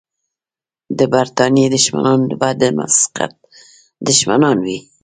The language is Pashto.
د برتانیې دښمنان به د مسقط دښمنان وي.